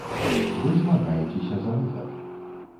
Вы змагаецеся за выхад.